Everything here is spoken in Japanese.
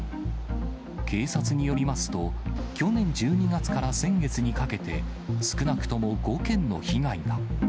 警察によりますと、去年１２月から先月にかけて、少なくとも５件の被害が。